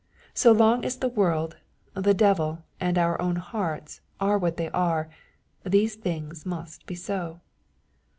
So long as the world, the devil, and our own hearts, are what they are, these things must be so.